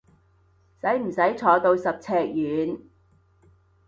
使唔使坐到十尺遠？